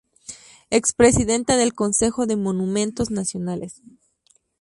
Ex-Presidenta del Consejo de Monumentos Nacionales.